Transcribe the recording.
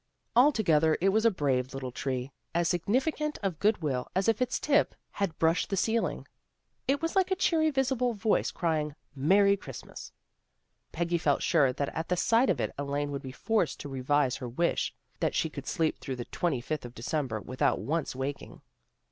Altogether it was a brave little tree, as significant of good will as if its tip had brushed 216 THE GIRLS OF FRIENDLY TERRACE the ceiling. It was like a cheery visible voice crying, " Merry Christmas." Peggy felt sure that at the sight of it Elaine would be forced to revise her wish that she could sleep through the twenty fifth of December without once waking.